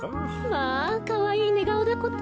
まあかわいいねがおだこと。